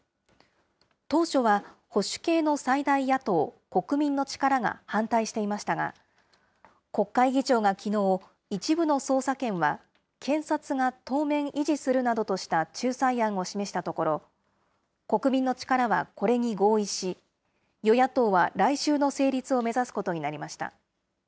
当初は保守系の最大野党・国民の力が反対していましたが、国会議長がきのう、一部の捜査権は検察が当面維持するなどとした仲裁案を示したところ、国民の力はこれに合意し、与野党は来週の成立を目指すことになりました。